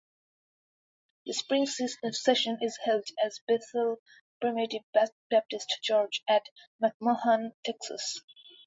The spring session is held at Bethel Primitive Baptist Church, at McMahan, Texas.